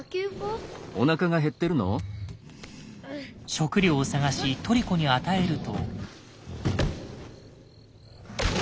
食料を探しトリコに与えると。